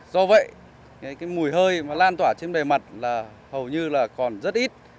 do vậy mùi hơi lan tỏa trên đời mặt hầu như còn rất ít